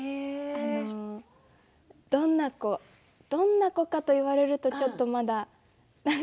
どんな子どんな子かと言われるとちょっとまだ。